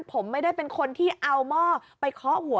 ผมไม่ได้เป็นคนที่เอาหม้อไปเคาะหัว